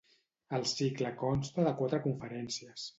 El cicle consta de quatre conferències.